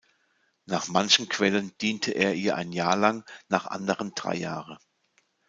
Nach manchen Quellen diente er ihr ein Jahr lang, nach anderen drei Jahre.